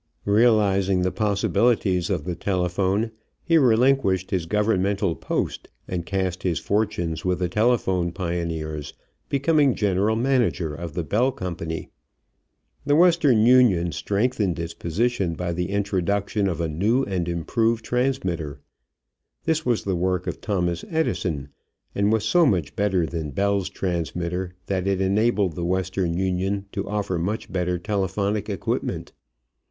Realizing the possibilities of the telephone, he relinquished his governmental post and cast his fortunes with the telephone pioneers, becoming general manager of the Bell company. The Western Union strengthened its position by the introduction of a new and improved transmitter. This was the work of Thomas Edison, and was so much better than Bell's transmitter that it enabled the Western Union to offer much better telephonic equipment.